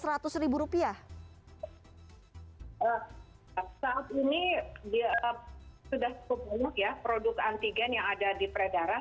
saat ini sudah cukup banyak ya produk antigen yang ada di peredaran